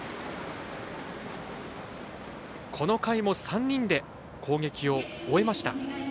この回も３人で攻撃を終えました。